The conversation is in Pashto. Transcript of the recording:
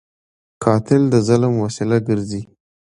قاتل د ظلم وسیله ګرځي